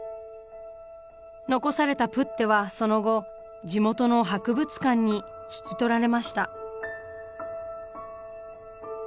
残されたプッテはその後地元の博物館に引き取られました。